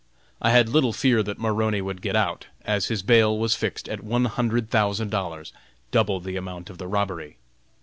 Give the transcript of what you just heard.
I had little fear that Maroney would get out, as his bail was fixed at one hundred thousand dollars double the amount of the robbery.